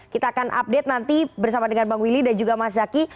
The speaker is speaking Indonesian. kita akan update nanti bersama dengan bang willy dan juga mas zaky